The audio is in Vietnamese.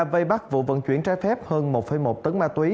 vây bắt vụ vận chuyển trái phép hơn một một tấn ma túy